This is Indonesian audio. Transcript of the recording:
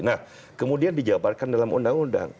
nah kemudian dijabarkan dalam undang undang